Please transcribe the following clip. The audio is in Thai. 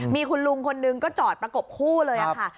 มีคุณลุงคนนึงก็จอดประกบคู่เลยค่ะ